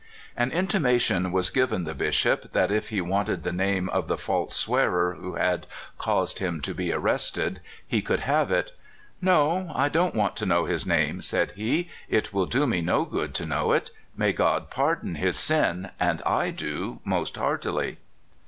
) An intimation was given the Bishop that if he wanted the name of the false swearer who had caused him to be arrested he could have it. '' No ; I don't want to know his name," said he ;*' it will do me no good to know it. May God par don his sin, as I do most heartily!